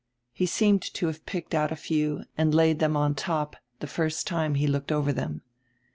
He seenred to have picked out a few and laid them on top die first time he looked them over.